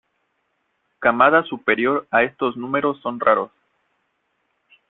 Camadas superior a estos números son raros.